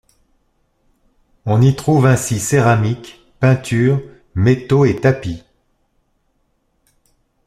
On y trouve ainsi céramiques, peintures, métaux et tapis.